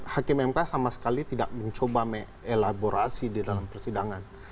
hakim mk sama sekali tidak mencoba mengelaborasi di dalam persidangan